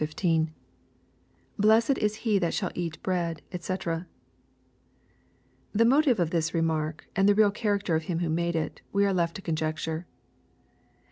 — [Blessed is he thai shaM eat hread, cfcc] The motive of tliis re mark, and the real character of him who made it, we are left to conjecture.